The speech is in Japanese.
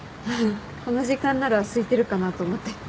この時間ならすいてるかなと思って。